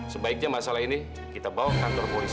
sebaiknya masalah ini kita bawa ke kantor polisi